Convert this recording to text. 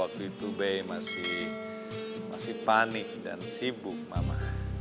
waktu itu b masih panik dan sibuk mama